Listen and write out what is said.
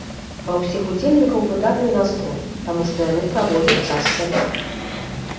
Ва ўсіх удзельнікаў выдатны настрой, таму што яны праводзяць час з сям'ёй.